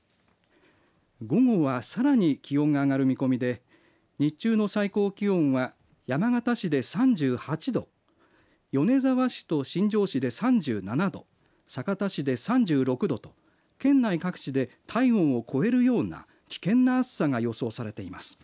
午後はさらに気温が上がる見込みで日中の最高気温は山形市で３８度米沢市と新庄市で３７度酒田市で３６度と県内各地で体温を超えるような危険な暑さが予想されています。